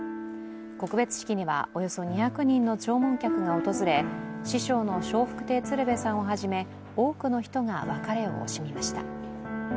告別式にはおよそ２００人の弔問客が訪れ師匠の笑福亭鶴瓶さんをはじめ、多くの人が別れを惜しみました。